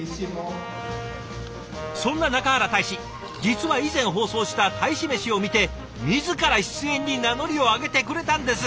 そんな中原大使実は以前放送した「大使メシ」を見て自ら出演に名乗りを上げてくれたんです！